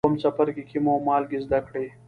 په اووم څپرکي کې مو مالګې زده کړې.